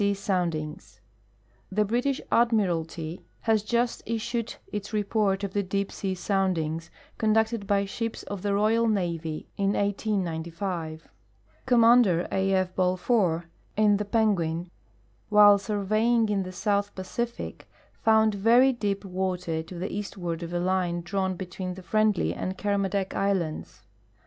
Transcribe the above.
\ Soundings. The British Admiralty has just issued its report of the deep sea soundings conducted by shij^s of the royal navy in 1895. Commander A. F. Balfour, in the Penguin, while surveying in the South Pacific, found very deep water to the eastward of a line drawn between the Friendly and Kermadec islands.